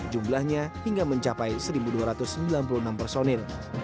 jumlahnya hingga mencapai satu dua ratus sembilan puluh enam personil